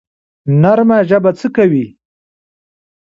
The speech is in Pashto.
نرمه ژبه څه کوي؟